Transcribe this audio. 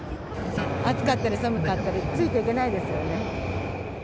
暑かったり寒かったり、ついていけないですよね。